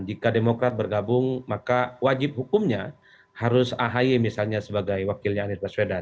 jika demokrat bergabung maka wajib hukumnya harus ahy misalnya sebagai wakilnya anies baswedan